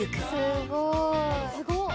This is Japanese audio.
すごい！